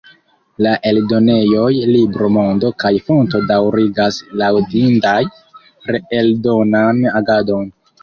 La eldonejoj Libro-Mondo kaj Fonto daŭrigas laŭdindan reeldonan agadon.